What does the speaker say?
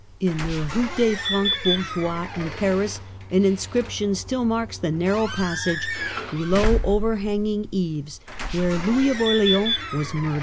In the Eue des Francs Bourgeois in Paris an inscription still marks the narrow passage, below overhanging eaves, where Louis of Orleans was murdered.